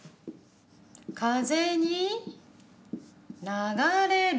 「風」に「流」れる。